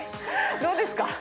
どうですか？